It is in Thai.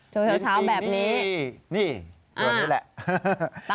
ถูกเฉยแบบนี้นี่ตัวนี้แหละฮ่าฮ่าฮ่า